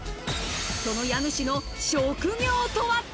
その家主の職業とは？